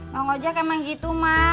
mau ngojek emang gitu mah